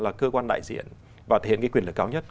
là cơ quan đại diện và thể hiện quyền lực cao nhất